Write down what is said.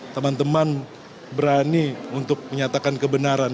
teman teman berani untuk menyatakan kebenaran